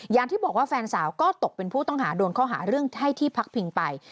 อย่างที่บอกว่าแฟนสาวก็ตกเป็นผู้ต้องหาโดนข้อหาเรื่องให้ที่พักพิงไป